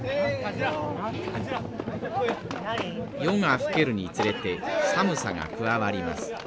夜が更けるにつれて寒さが加わります。